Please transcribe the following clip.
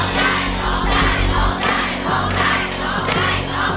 โน่นนายโน่นนาย